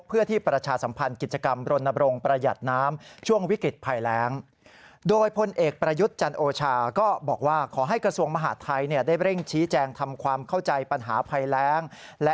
เพื่อที่ประชาสัมพันธ์กิจกรรมรณบรงประหยัดน้ำช่วงวิกฤตภัยแร้ง